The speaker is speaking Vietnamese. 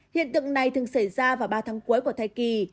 hiện tượng này thường xảy ra vào ba tháng cuối của thai kỳ